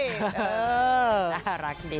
ดารักดี